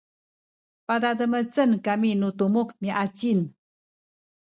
padademecen kami nu tumuk miacin